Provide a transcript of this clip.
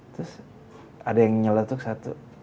terus ada yang nyeletuk satu